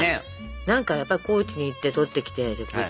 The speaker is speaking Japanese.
何かやっぱ高知に行って採ってきて植物。